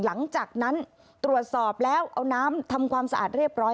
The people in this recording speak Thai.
หลังจากนั้นตรวจสอบแล้วเอาน้ำทำความสะอาดเรียบร้อย